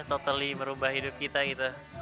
totally merubah hidup kita gitu